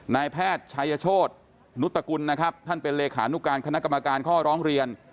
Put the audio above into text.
นายแพทย์ชายโชธนุตกุลนะครับท่านเป็นเลขานุการคณะกรรมการข้อร้องเรียน